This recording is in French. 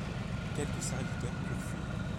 Quelques serviteurs purent fuir.